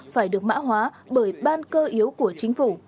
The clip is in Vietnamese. phải được mã hóa bởi ban cơ yếu của chính phủ